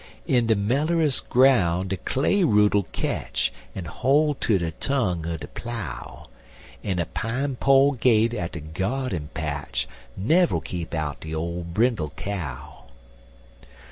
In de mellerest groun' de clay root 'll ketch En hol' ter de tongue er de plow, En a pine pole gate at de gyardin patch Never 'll keep out de ole brindle cow.